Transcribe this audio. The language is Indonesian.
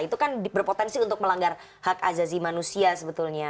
itu kan berpotensi untuk melanggar hak azazi manusia sebetulnya